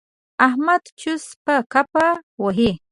احمد چوس په کفه وهي.